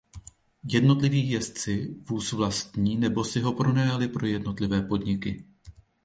Jednotlivý jezdci vůz vlastní nebo si ho pronajali pro jednotlivé podniky.